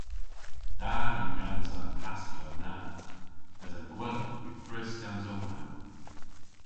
Da yw gansa an pastiow na mes an gwella yw gwrys gans ow mamm.